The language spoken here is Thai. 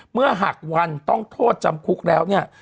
เมื่อหักวันต้องโทษจำคุกแล้วเนี่ย